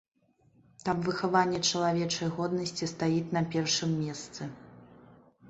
Там выхаванне чалавечай годнасці стаіць на першым месцы.